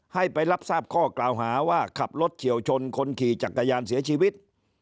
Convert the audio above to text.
ให้ไปรับทราบข้อกล่าวหาว่าขับรถเฉียวชนคนขี่จักรยานเสียชีวิต